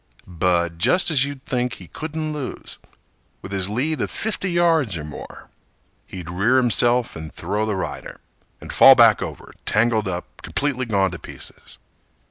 But just as you'd think he couldn't lose, With his lead of fifty yards or more, He'd rear himself and throw the rider, And fall back over, tangled up, Completely gone to pieces.